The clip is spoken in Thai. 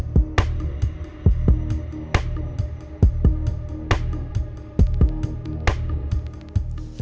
ลุงสอง